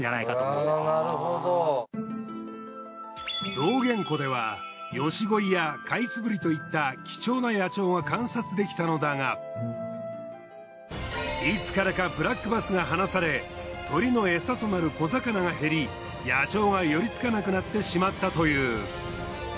洞源湖ではヨシゴイやカイツブリといった貴重な野鳥が観察できたのだがいつからかブラックバスが放され鳥のエサとなる小魚が減り野鳥が寄りつかなくなってしまったという。